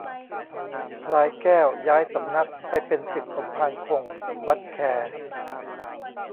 พลายแก้วย้ายสำนักไปเป็นศิษย์สมภารคง วัดแค